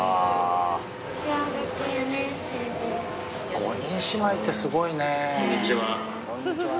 ５人姉妹ってすごいね。